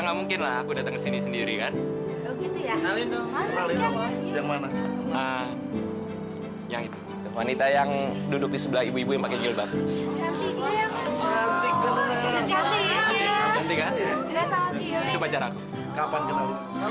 sampai jumpa di video selanjutnya